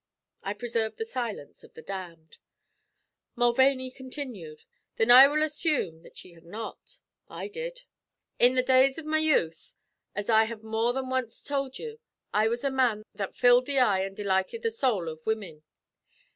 I preserved the silence of the damned. Mulvaney continued: "Thin I will assume that ye have not. I did. In the days av my youth, as I have more than wanst told you, I was a man that filled the eye an' delighted the sowl av women.